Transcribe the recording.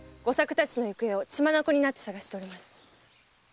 吾作たちの行方を血眼になって捜しております。